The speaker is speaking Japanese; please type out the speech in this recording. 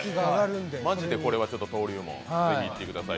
マジでこれは登竜門、ぜひ行ってください。